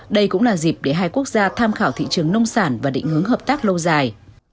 đây cũng là dịp để hai quốc gia tham khảo thị trường nông sản và định hướng hợp tác lâu dài